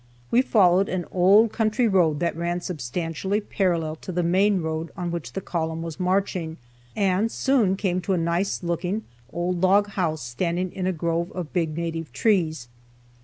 We followed an old country road that ran substantially parallel to the main road on which the column was marching, and soon came to a nice looking old log house standing in a grove of big native trees.